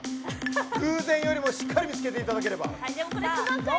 偶然でもしっかり見つけていただければ。